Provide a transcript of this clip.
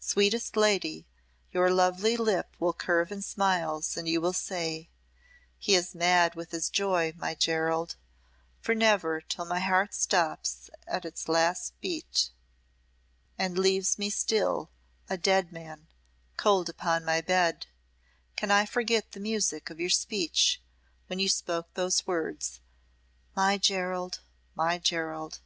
Sweetest lady, your lovely lip will curve in smiles, and you will say, 'He is mad with his joy my Gerald' (for never till my heart stops at its last beat and leaves me still, a dead man, cold upon my bed, can I forget the music of your speech when you spoke those words, 'My Gerald! My Gerald.')